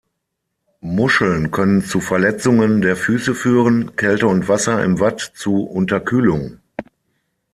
Muscheln können zu Verletzungen der Füße führen, Kälte und Wasser im Watt zu Unterkühlung.